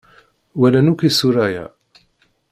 Walan akk isura-a.